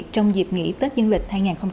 trong dịp nghỉ tết dân lịch hai nghìn một mươi sáu